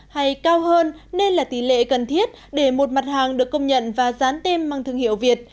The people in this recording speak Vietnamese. ba mươi hay cao hơn nên là tỷ lệ cần thiết để một mặt hàng được công nhận và dán tên mang thương hiệu việt